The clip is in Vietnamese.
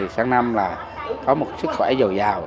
sáng năm là có một sức khỏe dầu dào